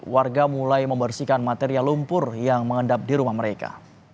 warga mulai membersihkan material lumpur yang mengendap di rumah mereka